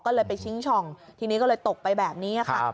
ก็เลยไปชิงช่องทีนี้ก็เลยตกไปแบบนี้ค่ะ